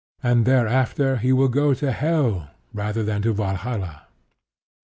And thereafter he will go to Hell, rather than to Valhalla.